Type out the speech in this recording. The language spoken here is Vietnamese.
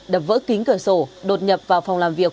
đập vỡ kính cửa sổ đột nhập vào phòng làm việc